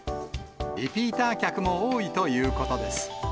リピーター客も多いということです。